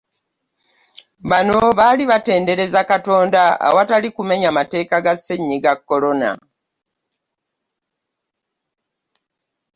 Bano baali batendereza Katonda awatali kumenya mateeka ga ssennyiga Corona.